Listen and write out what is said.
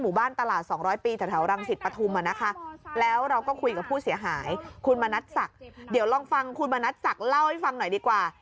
มึงขอข่อมูลให้ฟังหน่อยดีกว่า